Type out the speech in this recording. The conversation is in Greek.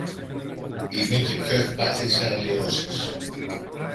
είναι και πιο ευπαθή σε αλλοιώσεις